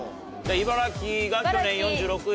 茨城が去年４６位。